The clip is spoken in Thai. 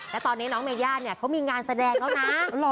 และตอนนี้น้องเมย่าเนี่ยเขามีงานแสดงแล้วนะ